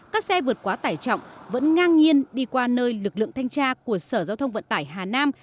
các xe vượt quá tải trọng vẫn ngang nhiên đi qua nơi lực lượng thanh tra của sở giao thông vận tải hà nam